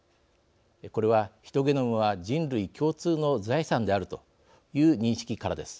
これはヒトゲノムは人類共通の財産であるという認識からです。